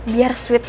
biar sweet juga